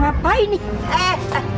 apa ini eh eh eh